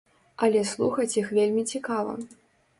Але слухаць іх вельмі цікава.